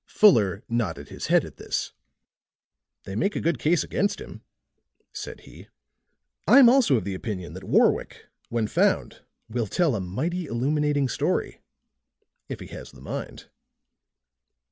Fuller nodded his head at this. "They make a good case against him," said he. "I'm also of the opinion that Warwick, when found, will tell a mighty illuminating story if he has the mind."